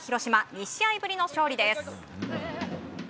２試合ぶりの勝利です。